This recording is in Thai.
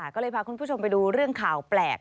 ก็เลยพาคุณผู้ชมไปดูเรื่องข่าวแปลก